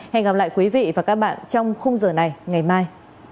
hẹn gặp lại quý vị và các bạn trong khung giờ này ngày mai